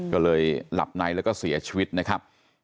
ก็เลยหลับในแล้วก็เสียชีวิตนะครับ